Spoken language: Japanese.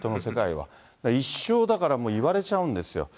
もうだから、一生言われちゃうんですよ。